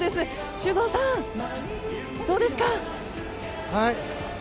修造さん、どうですか？